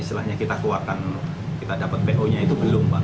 istilahnya kita keluarkan kita dapat po nya itu belum pak